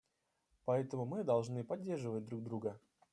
Поэтому мы должны поддерживать друг друга.